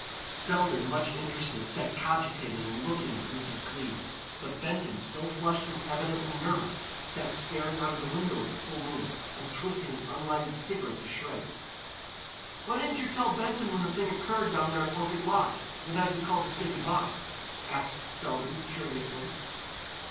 Selden, much interested, sat cogitating and looking at Mrs. Cleves. But Benton, still flushed and evidently nervous, sat staring out of the window at the full moon, and twisting an unlighted cigarette to shreds. "Why didn't you tell Benton when the thing occurred down there at Orchid Lodge, the night we called to say good bye?" asked Selden, curiously.